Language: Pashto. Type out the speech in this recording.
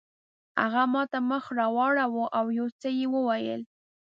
هغه ماته مخ راواړاوه او یو څه یې وویل.